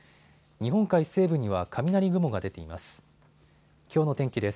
日本海西部には雷雲が出ています。